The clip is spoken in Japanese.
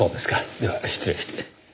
では失礼して。